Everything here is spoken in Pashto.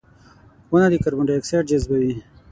• ونه د کاربن ډای اکساید جذبوي.